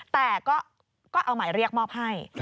แต่ก็เอาหมายเรียกมอบให้